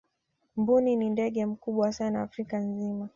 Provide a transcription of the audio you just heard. mbuni ni ndege mkubwa sana afrika nzima